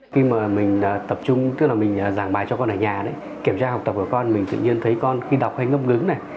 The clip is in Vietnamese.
khi mà mình tập trung tức là mình giảng bài cho con ở nhà đấy kiểm tra học tập của con mình tự nhiên thấy con khi đọc hay ngấm ngứng này